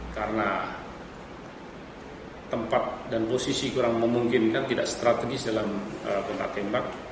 karena tempat dan posisi kurang memungkinkan tidak strategis dalam buntat tembak